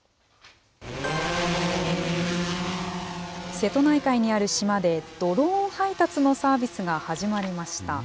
瀬戸内海にある島で、ドローン配達のサービスが始まりました。